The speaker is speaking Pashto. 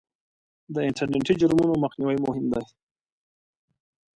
د انټرنېټي جرمونو مخنیوی مهم دی.